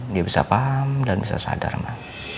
dia bisa paham dan bisa sadar lah